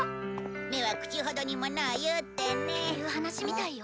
「目は口ほどに物を言う」ってね。っていう話みたいよ。